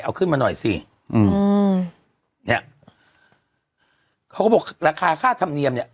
เอาขึ้นมาหน่อยสิอืมเนี้ยเขาก็บอกราคาค่าธรรมเนียมเนี้ย